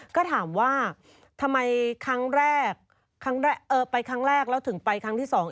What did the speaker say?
ก็ถามว่าทำไมครั้งแรกไปครั้งแรกแล้วถึงไปครั้งที่สอง